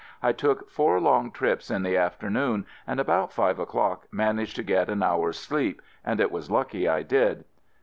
I took four long trips in the afternoon and about five o'clock managed to get an hour's sleep, and it was lucky I did.